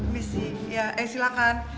bisa ya eh silahkan